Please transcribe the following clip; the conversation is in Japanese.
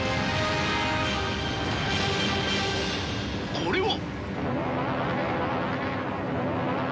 これは。